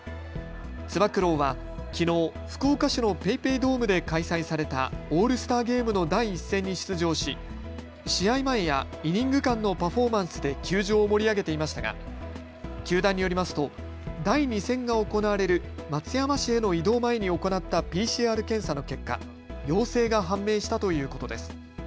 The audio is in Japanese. つば九郎は、きのう福岡市のＰａｙＰａｙドームで開催されたオールスターゲームの第１戦に出場し、試合前やイニング間のパフォーマンスで球場を盛り上げていましたが球団によりますと第２戦が行われる松山市への移動前に行ったＰＣＲ検査の結果、陽性が判明したということです。